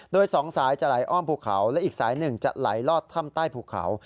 โดยสองสายจะไหลอ้อมภูเขาและอีกสายหนึ่งจะไหลลอดถ้ำใต้ภูเขา